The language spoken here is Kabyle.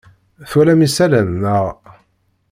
Twalam isalan, naɣ?